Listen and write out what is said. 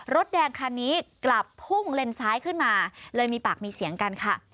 รถแดงคันนี้กลับพุ่งเลนซ้ายขึ้นมาเลยมีปากมีเสียงกันค่ะ